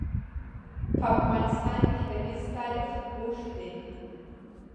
په افغانستان کې د مس تاریخ اوږد دی.